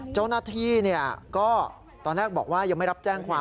เจ้าหน้าที่ก็ตอนแรกบอกว่ายังไม่รับแจ้งความ